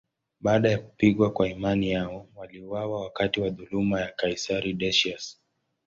Baada ya kupigwa kwa imani yao, waliuawa wakati wa dhuluma ya kaisari Decius.